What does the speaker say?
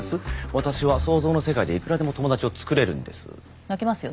私は想像の世界でいくらでも友達を作れるんです泣きますよ